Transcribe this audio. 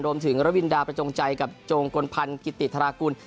รวมถึงระวินดาประจงใจกับโจงกลพันธ์กิติธรากุล